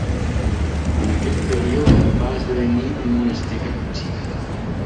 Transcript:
En aquell període va esdevenir un monestir caputxí.